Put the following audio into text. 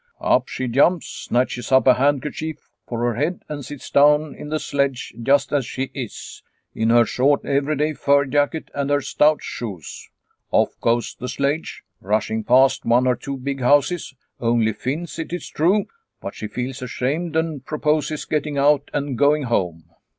Up she jumps, snatches up a handkerchief for her head, and sits down in the sledge just as she is, in her short everyday fur jacket and her stout shoes. Off goes the sledge, rushing past one or two big houses, only Finns' it is true, but she feels ashamed and proposes getting out and going home.